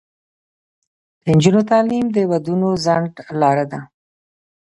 د نجونو تعلیم د ودونو ځنډ لاره ده.